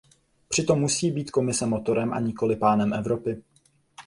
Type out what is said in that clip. Přitom musí být Komise motorem a nikoli pánem Evropy.